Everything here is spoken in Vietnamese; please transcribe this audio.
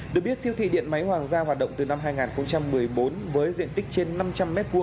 được biết siêu thị điện máy hoàng gia hoạt động từ năm hai nghìn một mươi bốn với diện tích trên năm trăm linh m hai